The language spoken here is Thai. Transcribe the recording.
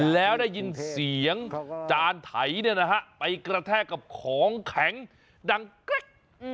แล้วได้ยินเสียงจานไถไปกระแทกกับของแข็งดังแกร๊ก